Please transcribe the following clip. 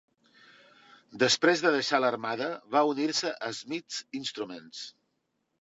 Després de deixar l'armada, va unir-se a Smiths Instruments.